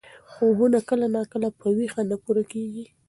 خوبونه کله ناکله په ویښه نه پوره کېږي.